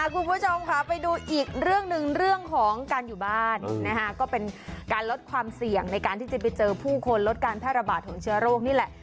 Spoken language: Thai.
คุณผู้ชมค่ะไปดูอีกเรื่องหนึ่งเรื่องของการอยู่บ้านก็เป็นการลดความเสี่ยงในการที่จะไปเจอผู้คนลดการแพร่ระบาดของเชื้อโรคนี่แหละ